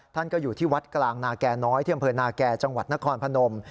ท่านก็อยู่ที่วัดกลางนาแก่น้อยที่อำเภอนาแก่จังหวัดนครพนม